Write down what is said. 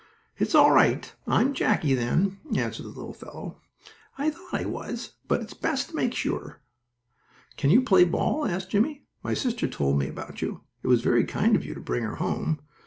"It's all right. I'm Jackie then," answered the little fellow. "I thought I was, but it's best to make sure." "Can you play ball?" asked Jimmie. "My sister told me about you. It was very kind of you to bring her home.